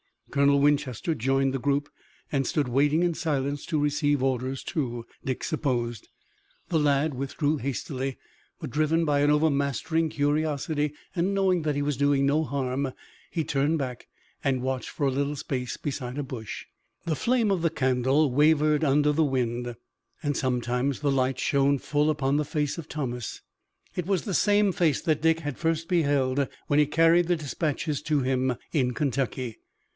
Colonel Winchester joined the group, and stood waiting in silence to receive orders, too, Dick supposed. The lad withdrew hastily, but driven by an overmastering curiosity, and knowing that he was doing no harm, he turned back and watched for a little space beside a bush. The flame of the candle wavered under the wind, and sometimes the light shone full upon the face of Thomas. It was the same face that Dick had first beheld when he carried the dispatches to him in Kentucky.